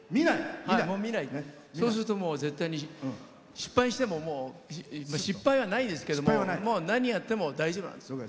そうすると絶対に失敗しても、失敗はないですけど何やっても大丈夫なんです。